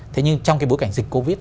thế nhưng trong cái bối cảnh dịch covid